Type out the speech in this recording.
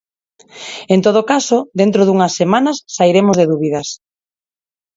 En todo caso, dentro dunhas semanas sairemos de dúbidas.